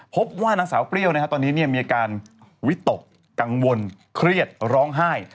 พบว่านางสาวเปรี้ยวตอนนี้มีอาการวิตกกังวลเครียดร้องไห้